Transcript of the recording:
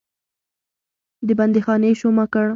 د بندیخانې شومه کړ.